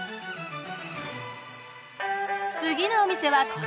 次のお店はこちら。